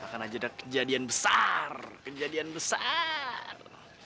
akan aja ada kejadian besar kejadian besar